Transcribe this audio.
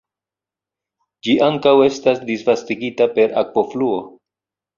Ĝi ankaŭ estas disvastigita per akvofluo.